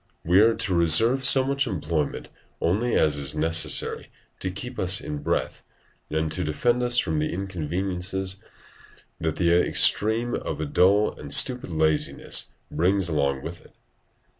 We are to reserve so much employment only as is necessary to keep us in breath and to defend us from the inconveniences that the other extreme of a dull and stupid laziness brings along with it.